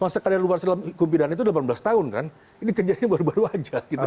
masa karir luar dalam hukum pidana itu delapan belas tahun kan ini kejadian baru baru aja gitu